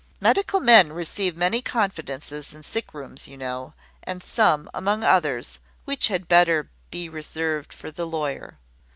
Medical men receive many confidences in sick rooms, you know; and some, among others, which had better be reserved for the lawyer.